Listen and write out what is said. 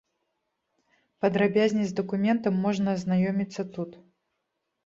Падрабязней з дакументам можна азнаёміцца тут.